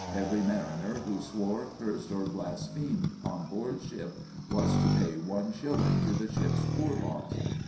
Every mariner who swore, cursed, or blasphemed on board ship was to pay one shilling to the ship's poor box.